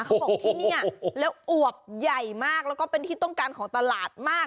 เขาบอกที่นี่แล้วอวบใหญ่มากแล้วก็เป็นที่ต้องการของตลาดมาก